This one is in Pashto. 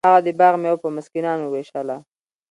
هغه د باغ میوه په مسکینانو ویشله.